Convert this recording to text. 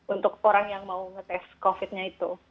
untuk orang yang mau ngetes covid sembilan belas itu